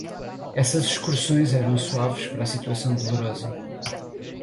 Essas excursões eram suaves para a situação dolorosa.